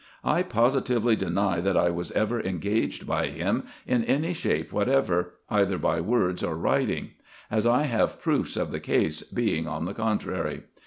I positively deny that I was ever engaged by him IN EGYPT, NUBIA, &c. 25 ill any shape whatever, either by words or writing ; as I have proofs of the case being on the contrary.